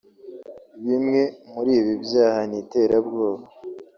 Bimwe muri ibi byaha ni iterabwoba